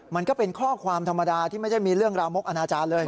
มันก็เป็นข้อความธรรมดาที่ไม่ได้มีเรื่องราวมกอนาจารย์เลย